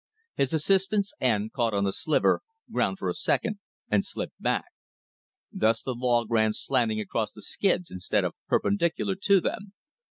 His assistant's end caught on a sliver, ground for a second, and slipped back. Thus the log ran slanting across the skids instead of perpendicular to them.